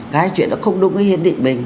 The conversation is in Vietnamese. cái chuyện nó không đúng với hiện định mình